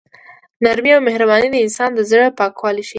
نرمي او مهرباني د انسان د زړه پاکوالی ښيي.